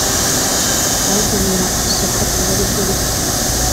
ahubwo nyuma isoko akaba aribwo ripfa